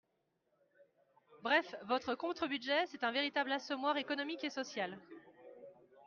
Bref, votre contre-budget, c’est un véritable assommoir économique et social.